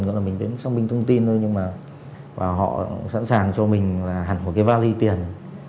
gọi là xăng minh thông tin thôi nhưng mà họ sẵn sàng cho mình hẳn một cái vali tiền